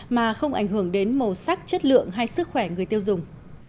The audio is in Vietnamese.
mà không ảnh hưởng đến màu sắc chất lượng hay sức khỏe người tiêu dùng